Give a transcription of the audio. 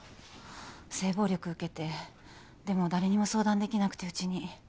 性暴力受けてでも誰にも相談できなくてうちに。